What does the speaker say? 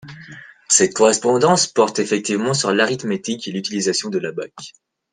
Cette correspondance porte effectivement sur l'arithmétique et l'utilisation de l'abaque.